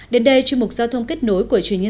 đến đây chuyên mục giao thông kết nối của truyền thông